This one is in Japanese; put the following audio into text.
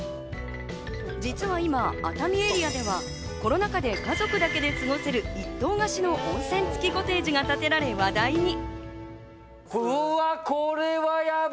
実は今、熱海エリアではコロナ禍で家族だけで過ごせる一棟貸しの温泉付きコテージが建てられ話題に。